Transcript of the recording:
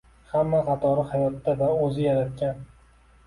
Hamma qatori hayotda va o’zi yaratgan.